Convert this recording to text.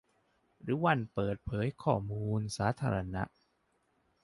หรือวันเปิดเผยข้อมูลสาธารณะ